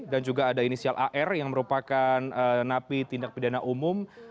dan juga ada inisial ar yang merupakan napi tindak pidana umum